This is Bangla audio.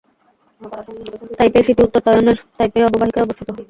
তাইপেই সিটি উত্তর তাইওয়ানের তাইপেই অববাহিকায় অবস্থিত।